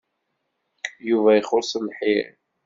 Yuba ixuṣ lḥir.